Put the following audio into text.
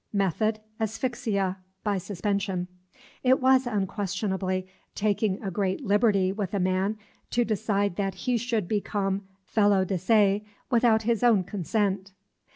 Method, asphyxia, by suspension. It was, unquestionably, taking a great liberty with a man to decide that he should become felo de se without his own consent.